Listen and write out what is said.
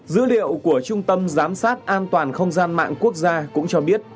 dữ liệu của trung tâm giám sát an toàn không gian mạng quốc gia cũng cho biết